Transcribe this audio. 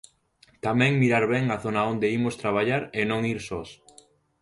Tamén mirar ben a zona onde imos traballar e non ir sós.